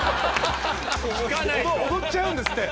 踊っちゃうんですって。